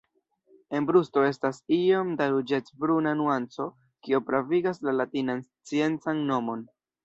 En brusto estas iom da ruĝecbruna nuanco, kio pravigas la latinan sciencan nomon.